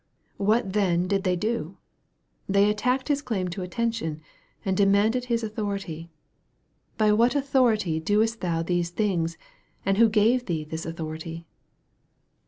What then did they do ? They attacked His claim to attention, and demanded His authority " By what authority doest thou these things ? and who gave thee this authority